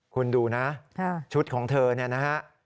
คุณดูนะชุดของเธอเนี่ยนะฮะ